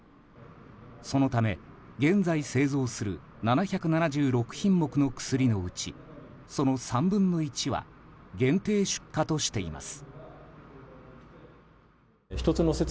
そのため、現在製造する７７６品目の薬のうちその３分の１は限定出荷としています。